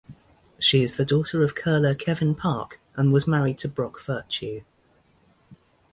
She is the daughter of curler Kevin Park and was married to Brock Virtue.